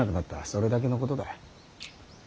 それだけのことだ。